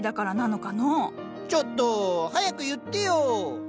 ちょっと早く言ってよ！